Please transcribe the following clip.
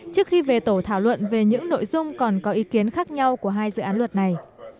trước khi về tổ thảo luận về những nội dung còn có ý kiến khác nhau của hai dự án luật này